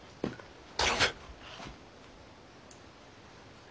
頼む。